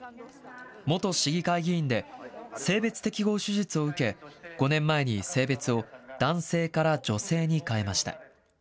元市議会議員で、性別適合手術を受け、５年前に性別を男性から女性に変えました。